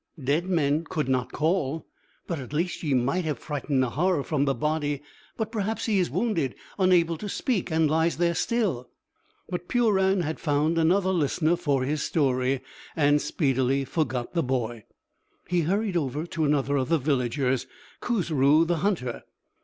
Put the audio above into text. "Dead men could not call, but at least ye might have frightened Nahara from the body. But perhaps he is wounded, unable to speak, and lies there still " But Puran had found another listener for his story, and speedily forgot the boy. He hurried over to another of the villagers, Khusru the hunter.